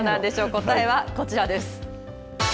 答えはこちらです。